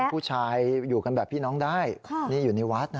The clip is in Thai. ผู้ชายอยู่กันแบบพี่น้องได้นี่อยู่ในวัดนะ